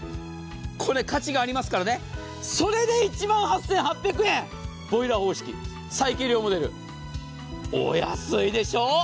これ価値がありますからね、それで１万８８００円、ボイラー方式、最軽量モデル、お安いでしょう。